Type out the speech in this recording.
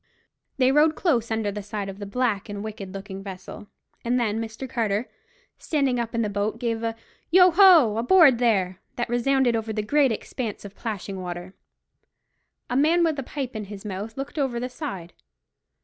They rowed close under the side of the black and wicked looking vessel, and then Mr. Carter, standing up in the boat gave a "Yo ho! aboard there!" that resounded over the great expanse of plashing water. A man with a pipe in his mouth looked over the side.